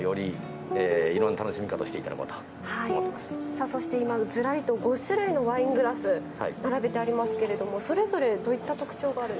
さあそして今ずらりと５種類のワイングラス並べてありますけれどもそれぞれどういった特徴があるんでしょうか？